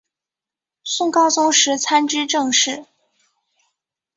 宋高宗时参知政事。